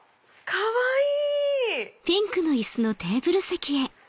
かわいい！